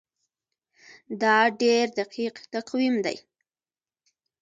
دا ډیر دقیق تقویم دی.